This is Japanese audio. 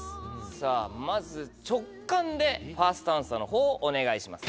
さぁまず直感でファーストアンサーの方をお願いします。